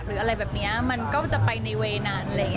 หรืออะไรแบบนี้มันก็จะไปในเวย์นาน